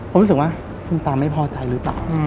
ผมรู้สึกว่าคุณตาไม่พอใจหรือเปล่า